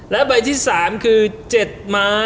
และใบที่๓คือ๗ไม้